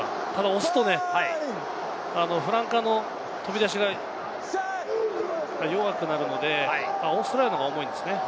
押すとフランカーの飛び出しが弱くなるので、オーストラリアの方が重いんですね。